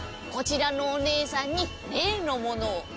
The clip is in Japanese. こちらのお姉さんに例のものを」。